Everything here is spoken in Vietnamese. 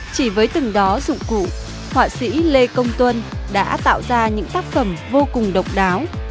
chỉ với từng đó dụng cụ họa sĩ lê công tuân đã tạo ra những tác phẩm vô cùng độc đáo